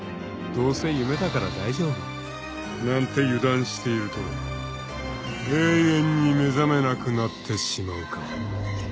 ［「どうせ夢だから大丈夫」なんて油断していると永遠に目覚めなくなってしまうかも］